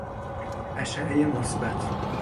اشعه مثبت